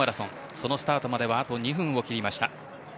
そのスタートまであと２分を切りました。